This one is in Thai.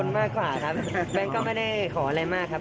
แปงก็ไม่ได้ขออะไรมากครับ